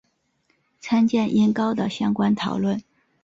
参见音高的相关讨论。